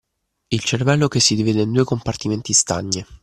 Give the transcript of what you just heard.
Il cervello che si divide in due compartimenti stagni.